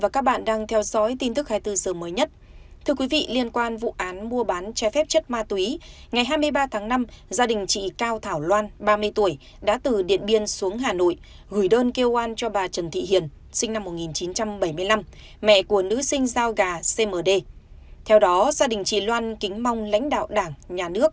các bạn hãy đăng ký kênh để ủng hộ kênh của chúng mình nhé